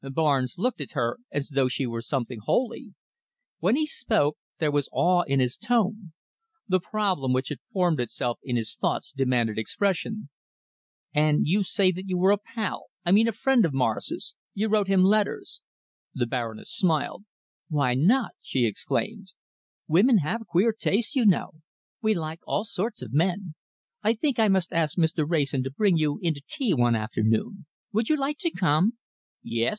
Barnes looked at her as though she were something holy. When he spoke, there was awe in his tone. The problem which had formed itself in his thoughts demanded expression. "And you say that you were a pal I mean a friend of Morris's? You wrote him letters?" The Baroness smiled. "Why not?" she exclaimed. "Women have queer tastes, you know. We like all sorts of men. I think I must ask Mr. Wrayson to bring you in to tea one afternoon. Would you like to come?" "Yes!"